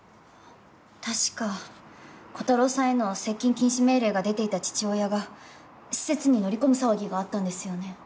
確かコタローさんへの接近禁止命令が出ていた父親が施設に乗り込む騒ぎがあったんですよね？